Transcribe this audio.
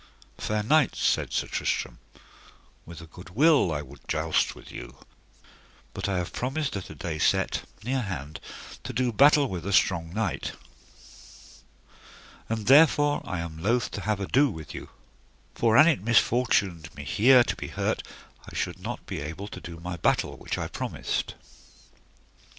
Fair knights, said Sir Tristram, with a good will I would joust with you, but I have promised at a day set, near hand, to do battle with a strong knight; and therefore I am loath to have ado with you, for an it misfortuned me here to be hurt I should not be able to do my battle which I promised.